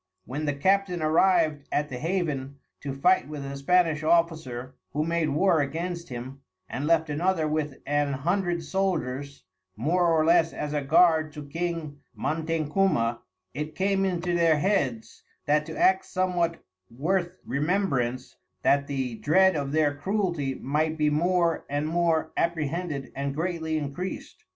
When the Captain arrived at the Haven, to fight with a Spanish Officer, who made War against him, and left another with an hundred Soldiers, more or less as a Guard to King Montencuma, it came into their heads, that to act somewhat worth remembrance, that the dread of their Cruelty might be more and more apprehended, and greatly increased.